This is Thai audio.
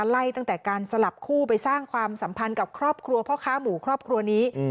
ตั้งแต่การสลับคู่ไปสร้างความสัมพันธ์กับครอบครัวพ่อค้าหมูครอบครัวนี้